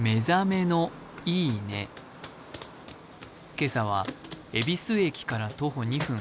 今朝は恵比寿駅から徒歩２分。